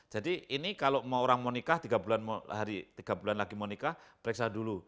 jadi ini kalau mau orang mau nikah tiga bulan lagi mau nikah periksa dulu